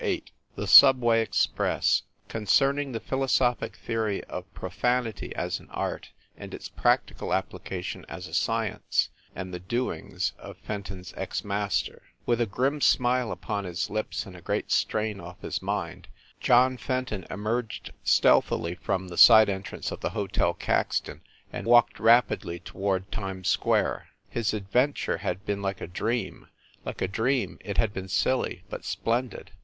VIII THE SUBWAY EXPRESS CONCERNING THE PHILOSOPHIC THEORY OF PROFAN ITY AS AN ART, AND ITS PRACTICAL APPLICA TION AS A SCIENCE; AND THE DOINGS OF FENTON S EX MASTER WITH a grim smile upon his lips and a great strain off his mind, John Fenton emerged stealthily from the side entrance of the Hotel Cax ton and walked rapidly toward Times Square. His adventure had been like a dream like a dream it had been silly, but splendid.